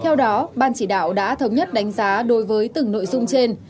theo đó ban chỉ đạo đã thống nhất đánh giá đối với từng nội dung trên